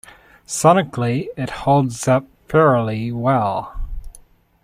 Sonically, it holds up fairly well.